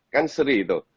kan seri itu